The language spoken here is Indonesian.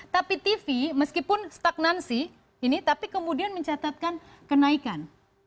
tapi tv meskipun stagnansi ini tapi kemudian mencatatkan kenaikan